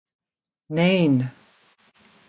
Nain!